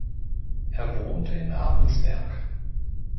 Er wohnte in Abensberg.